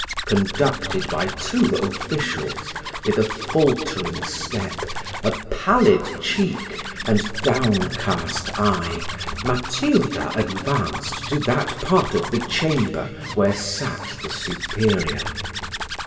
Conducted by two officials, with a faltering step, a pallid cheek, and downcast eye, Matilda advanced to that part of the chamber where sat the superior.